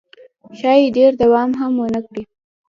ښایي ډېر دوام هم ونه کړي.